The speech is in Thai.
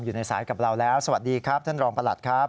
อยู่ในสายกับเราแล้วสวัสดีครับท่านรองประหลัดครับ